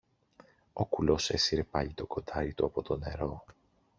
Ο κουλός έσυρε πάλι το κοντάρι του από το νερό